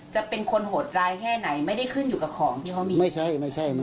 จะเป็นคนโหดร้ายแค่ไหนไม่ได้ขึ้นอยู่กับของที่เขามีไม่ใช่ไม่ใช่